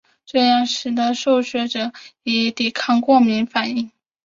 这样使得受血者得以抵抗过敏反应。